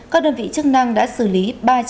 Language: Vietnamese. các đơn vị chức năng đã xử lý